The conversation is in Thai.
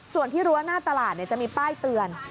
ส่วนที่รั้วหน้าตลาดจะมีป้ายเตือน